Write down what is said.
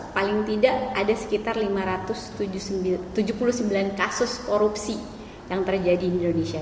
paling tidak ada sekitar tujuh puluh sembilan kasus korupsi yang terjadi di indonesia